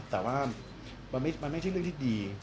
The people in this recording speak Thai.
แต่ว่ามันไม่ใช่เรื่องที่ดี